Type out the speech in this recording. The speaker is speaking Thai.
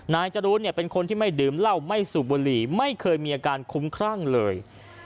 จรูนเป็นคนที่ไม่ดื่มเหล้าไม่สูบบุหรี่ไม่เคยมีอาการคุ้มครั่งเลย